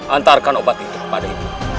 antarkan obat itu kepada ibu